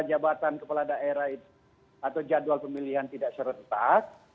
kelebatan kepala daerah itu atau jadwal pemilihan tidak serentak